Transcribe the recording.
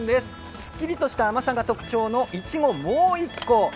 すっきりとした甘さが特徴のいちご、もういっこ。